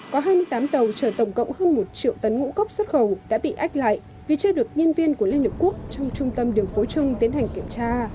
có hai mươi tám tàu chở tổng cộng hơn một triệu tấn ngũ cốc xuất khẩu đã bị ách lại vì chưa được nhân viên của liên hợp quốc trong trung tâm điều phối chung tiến hành kiểm tra